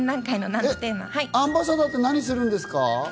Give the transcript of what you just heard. アンバサダーって何するんですか？